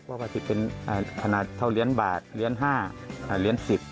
ปกติเป็นขนาดเท่าเหรียญบาทเหรียญ๕เหรียญ๑๐